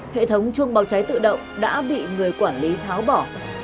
hệ thống chuông báo cháy tự động đã bị người quản lý tháo bỏ